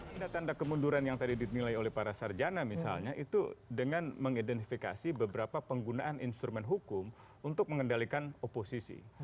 tanda tanda kemunduran yang tadi dinilai oleh para sarjana misalnya itu dengan mengidentifikasi beberapa penggunaan instrumen hukum untuk mengendalikan oposisi